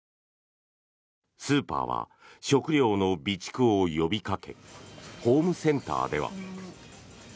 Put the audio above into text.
スーパーは食料の備蓄を呼びかけホームセンターでは。